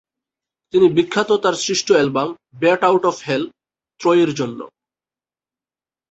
তিনি বিখ্যাত তার সৃষ্ট album "Bat Out of Hell" ত্রয়ীর জন্য।